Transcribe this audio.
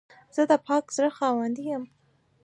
زه د پاک زړه خاوند یم.